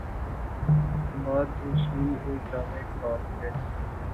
داماد رسول اور جامع قرآن تھے